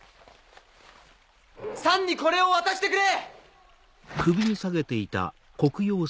サンにこれを渡してくれ！